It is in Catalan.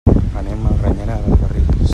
Anem a Granyena de les Garrigues.